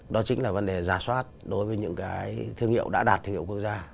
đó chính là vấn đề giả soát đối với những cái thương hiệu đã đạt thương hiệu quốc gia